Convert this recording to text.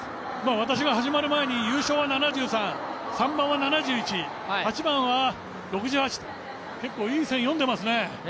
私が始まる前に優勝は７３、３番は７１、８番は６８、結構いい線、読んでますね